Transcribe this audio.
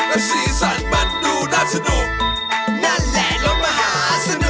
มันไม่ใช่ลดประหาสนุก